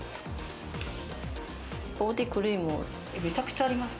ボディクリーム。